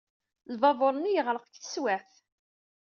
Lbabuṛ-nni yeɣreq deg teswiɛt.